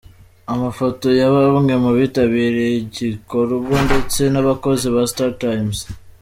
Amafoto ya bamwe mu bitabiriye igikorwa ndetse n’abakozi ba startimes.